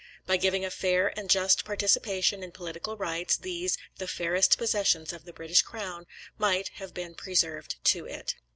By giving a fair and just participation in political rights, these, "the fairest possessions" of the British crown, might have been preserved to it.